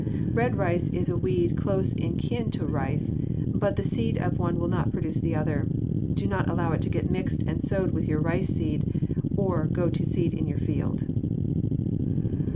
Red rice is a weed close kin to rice, but the seed of one will not produce the other. Do not allow it to get mixed and sowed with your rice seed or to go to seed in your field.